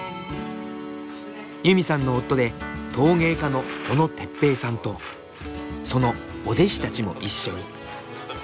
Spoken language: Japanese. ユミさんの夫で陶芸家の小野哲平さんとそのお弟子たちも一緒に。